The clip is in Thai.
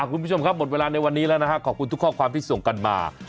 คุณผู้ชมครับหมดเวลาในวันนี้แล้วนะครับขอบคุณทุกข้อความที่ส่งกันมา